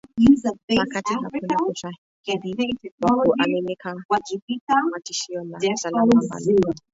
Wakati hakuna ushahidi wa kuaminika wa tishio la usalama ambalo